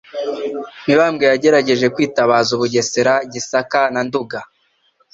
Mibambwe yagerageje kwitabaza u Bugesera Gisaka na Nduga